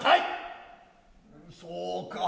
そうか。